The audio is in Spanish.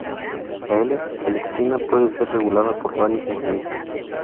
La L-Selectina puede ser regulada por varios mecanismos.